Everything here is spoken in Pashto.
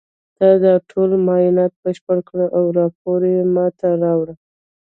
تا دا ټول معاینات بشپړ کړه او راپور یې ما ته راوړه